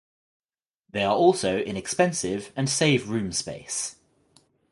They are also inexpensive and save room space.